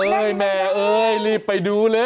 โอ๊ยแม่เอิญรีบไปดูเร็ว